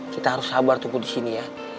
kita harus sabar tumbuh di sini ya